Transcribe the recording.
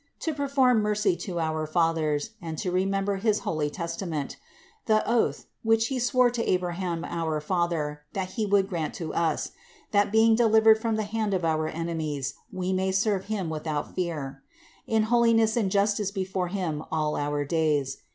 To perform mercy to our fathers, and to re member his holy testament, 73. The oath, which he swore to Abraham our father, that he would grant to us, 74. That being delivered from the hand of our enemies, we may serve him without fear, 75. In holiness and justice before him, all our days.